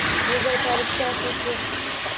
Bezovtalikka asos yo’q.